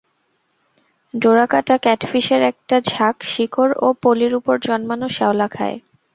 ডোরাকাটা ক্যাটফিশের একটা ঝাঁক শিকড় ও পলির উপর জন্মানো শেওলা খায়।